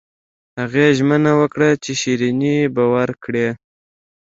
هغې ژمنه وکړه چې شیریني به ورکړي